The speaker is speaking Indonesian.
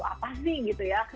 apa sih gitu ya